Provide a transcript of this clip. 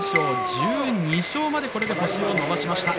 １２勝まで星を伸ばしました。